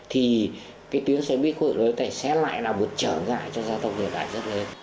thì cái tuyến xe buýt khu vực đối tảy xe lại là một trở ngại cho giao thông hiện đại rất lớn